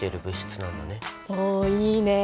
おいいね。